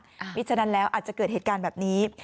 เพราะฉะนั้นแล้วอาจจะเกิดเหตุการณ์แบบนี้